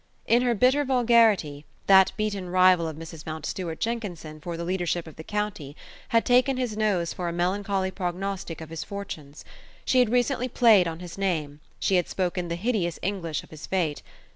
In her bitter vulgarity, that beaten rival of Mrs. Mountstuart Jenkinson for the leadership of the county had taken his nose for a melancholy prognostic of his fortunes; she had recently played on his name: she had spoken the hideous English of his fate.